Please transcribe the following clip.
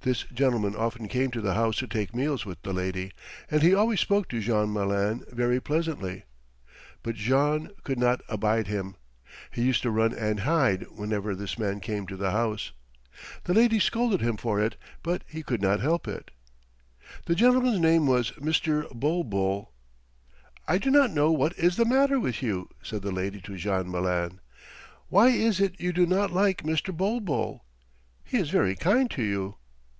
This gentleman often came to the house to take meals with the lady, and he always spoke to Jean Malin very pleasantly; but Jean could not abide him. He used to run and hide whenever this man came to the house. The lady scolded him for it, but he could not help it. The gentleman's name was Mr. Bulbul. "I do not know what is the matter with you," said the lady to Jean Malin. "Why is it you do not like Mr. Bulbul? He is very kind to you."